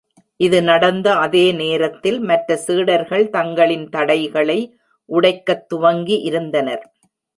இது நடந்த அதே நேரத்தில், மற்ற சீடர்கள் தங்களின் தடைகளை உடைக்கத் துவங்கி இருந்தனர்.